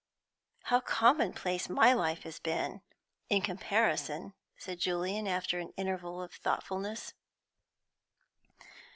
"How commonplace my life has been, in comparison," said Julian, after an interval of thoughtfulness.